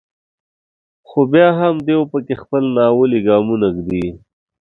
خو بیا هم دوی په کې خپل ناولي ګامونه ږدي.